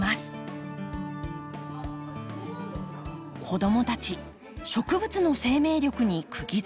子どもたち植物の生命力にくぎづけです。